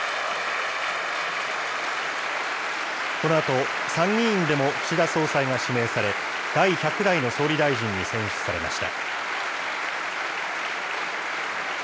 このあと、参議院でも岸田総裁が指名され、第１００代の総理大臣に選出されました。